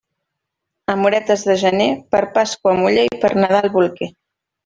Amoretes de gener, per Pasqua, muller, i per Nadal, bolquer.